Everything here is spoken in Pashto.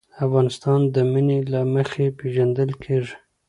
افغانستان د منی له مخې پېژندل کېږي.